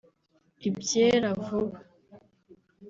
ibyera vuba